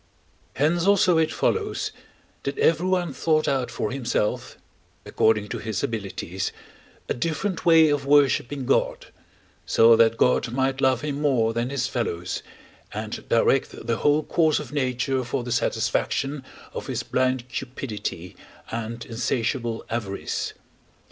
Hence also it follows, that everyone thought out for himself, according to his abilities, a different way of worshipping God, so that God might love him more than his fellows, and direct the whole course of nature for the satisfaction of his blind cupidity and insatiable avarice.